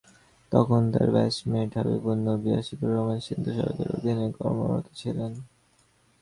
তখন তাঁর ব্যাচমেট হাবিবুন নবী আশিকুর রহমান সিন্ধু সরকারের অধীনে কর্মরত ছিলেন।